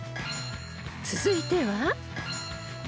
［続いては］